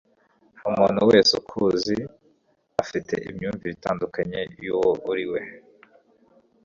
Umuntu wese ukuzi afite imyumvire itandukanye yuwo uriwe.